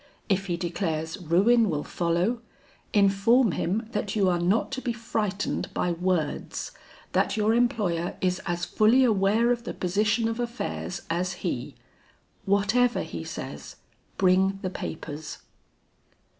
If he declares ruin will follow, inform him that you are not to be frightened by words; that your employer is as fully aware of the position of affairs as he. Whatever he says, bring the papers."